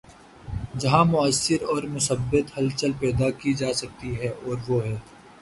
جہاں مؤثر اور مثبت ہلچل پیدا کی جا سکتی ہے‘ اور وہ ہے۔